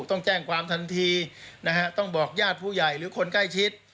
ต้องแจ้งความทันทีนะฮะต้องบอกญาติผู้ใหญ่หรือคนใกล้ชิด